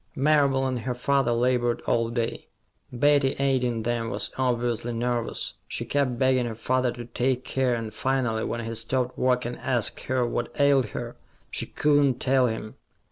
Marable and her father labored all day. Betty, aiding them, was obviously nervous. She kept begging her father to take care, and finally, when he stopped work and asked her what ailed her, she could not tell him.